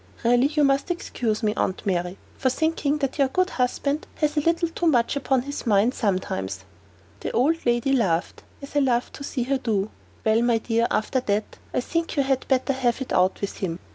Really you must excuse me, Aunt Mary, for thinking that your good husband has a little too much upon his mind sometimes." The old lady laughed, as I loved to see her do. "Well, my dear, after that, I think you had better have it out with him.